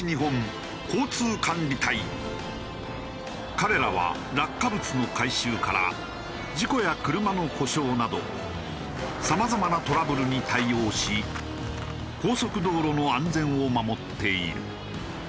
彼らは落下物の回収から事故や車の故障などさまざまなトラブルに対応し高速道路の安全を守っている。